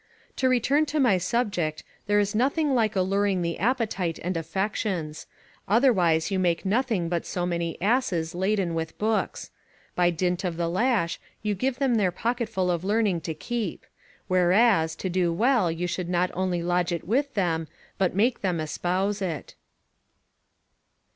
To return to my subject, there is nothing like alluring the appetite and affections; otherwise you make nothing but so many asses laden with books; by dint of the lash, you give them their pocketful of learning to keep; whereas, to do well you should not only lodge it with them, but make them espouse it.